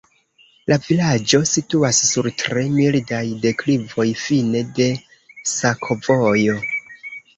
La vilaĝo situas sur tre mildaj deklivoj, fine de sakovojo.